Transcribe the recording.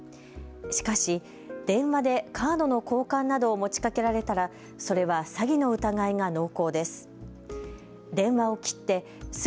しかし電話でカードの交換などを持ちかけられたらそれは詐欺の疑いが濃厚です。